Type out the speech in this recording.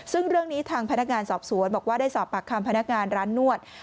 ซึ่งเรื่องนี้ทางพนักงานสอบสวนบอกว่าได้สอบปากคำพนักงานร้านนวด